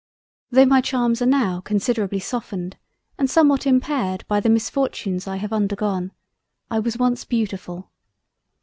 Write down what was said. Tho' my Charms are now considerably softened and somewhat impaired by the Misfortunes I have undergone, I was once beautiful.